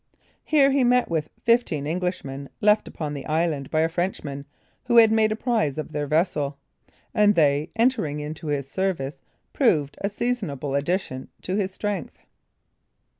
Here he met with fifteen Englishmen left upon the island by a Frenchman who had made a prize of their vessel; and they, entering into his service, proved a seasonable addition to his strength.